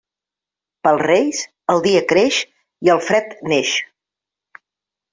Pels Reis, el dia creix i el fred neix.